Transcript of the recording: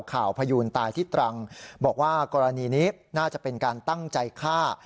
พยูนตายที่ตรังบอกว่ากรณีนี้น่าจะเป็นการตั้งใจฆ่า